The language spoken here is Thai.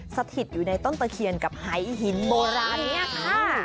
สถิตอยู่ในต้นตะเคียนกับหายหินโบราณนี้ค่ะ